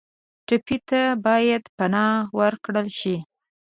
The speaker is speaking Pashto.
ټپي ته باید پناه ورکړل شي.